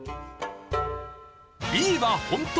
Ｂは本当。